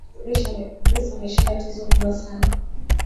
Grace ameshinda tuzo kubwa sana